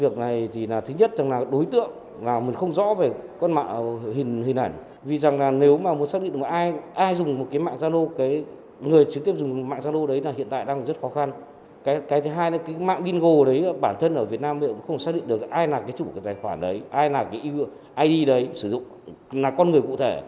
cái thứ hai là cái mạng gingo đấy bản thân ở việt nam không xác định được ai là cái chủ của cái tài khoản đấy ai nào cái id đấy sử dụng là con người cụ thể